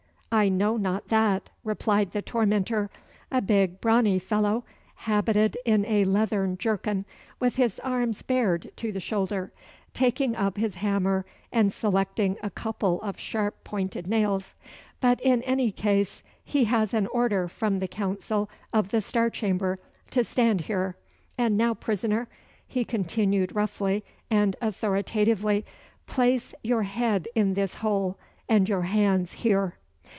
"I know not that," replied the tormentor, a big, brawny fellow, habited in a leathern jerkin, with his arms bared to the shoulder, taking up his hammer and selecting a couple of sharp pointed nails; "but in any case he has an order from the Council of the Star Chamber to stand here. And now, prisoner," he continued roughly and authoritatively, "place your head in this hole, and your hands here."